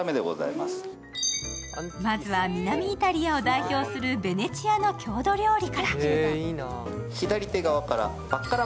まずは南イタリアを代表するベネチアの郷土料理から。